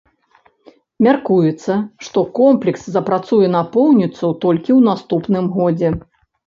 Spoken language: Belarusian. Мяркуецца, што комплекс запрацуе напоўніцу толькі ў наступным годзе.